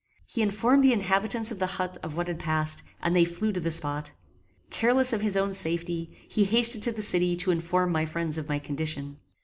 He informed the inhabitants of the hut of what had passed, and they flew to the spot. Careless of his own safety, he hasted to the city to inform my friends of my condition.